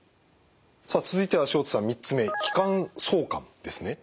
さあ続いては塩田さん３つ目気管挿管ですね。